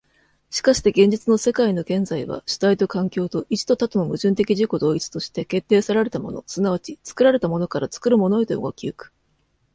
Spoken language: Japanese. しかして現実の世界の現在は、主体と環境と、一と多との矛盾的自己同一として、決定せられたもの即ち作られたものから、作るものへと動き行く。